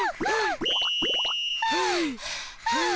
はあはあ。